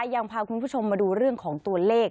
ยังพาคุณผู้ชมมาดูเรื่องของตัวเลข